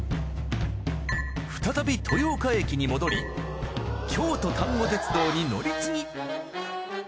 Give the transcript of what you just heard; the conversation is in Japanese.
再び豊岡駅に戻り京都丹後鉄道に乗り継ぎ。